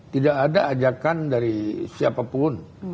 tidak ada ajakan dari siapapun